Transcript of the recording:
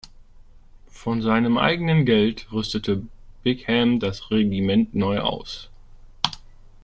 Von seinem eigenen Geld rüstete Bingham das Regiment neu aus.